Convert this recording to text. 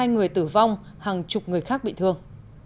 hai người tử vong hàng chục người khác bị thương